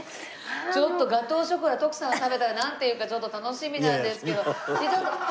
ちょっとガトーショコラ徳さんが食べたらなんて言うかちょっと楽しみなんですけど。